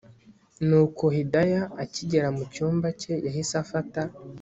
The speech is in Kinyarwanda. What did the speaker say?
nuko Hidaya akigera mucyumba cye yahise afata